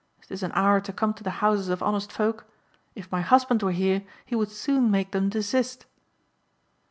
Is this an hour to come to the houses of honest folk? If my husband were here he would soon make them desist."